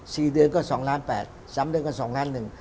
สี่เดือนก็สองล้านแปดสามเดือนก็สองล้านหนึ่ง